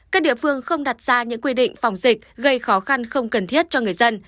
các địa phương không đặt ra những quy định phòng dịch gây khó khăn không cần thiết cho người dân